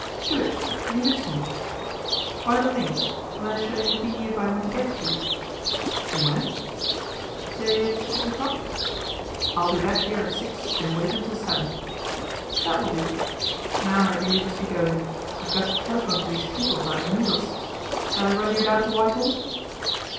" Good ! leave it to me. By the way, where shall you be if I want to get at you ?"" When ?"" Say six o'clock." " I'll be back here at six an$ wait until seven." " That will do. Now I really must be going. I've got to telephone to these people about the measles. Shall I run you down to Whitehall